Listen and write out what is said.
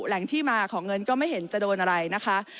แหล่งที่มาของเงินก็ไม่เห็นจะโดนอะไรนะคะ